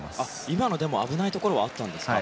今のでも危ないところはあったんですか。